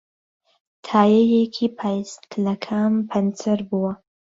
تایەیەکی پایسکلەکەم پەنچەر بووە.